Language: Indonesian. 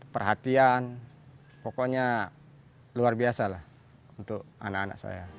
perhatian pokoknya luar biasa lah untuk anak anak saya